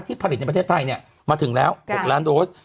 ที่ผลิตในประเทศไทยเนี่ยมาถึงแล้ว๖ล้านโต๊ะ